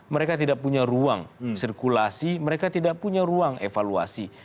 mereka tidak punya ruang sirkulasi mereka tidak punya ruang evaluasi